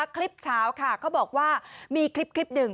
คลิปเช้าค่ะเขาบอกว่ามีคลิปหนึ่ง